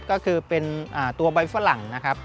ก็คือเป็นตัวใบฝรั่งนะครับ